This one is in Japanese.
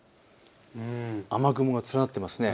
雨雲が連なっていますね。